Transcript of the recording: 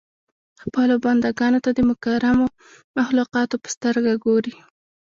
خپلو بنده ګانو ته د مکرمو مخلوقاتو په سترګه ګوري.